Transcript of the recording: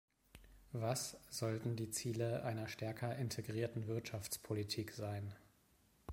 Was sollten die Ziele einer stärker integrierten Wirtschaftspolitik sein?